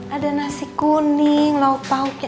ada nasi kuning lauk pauk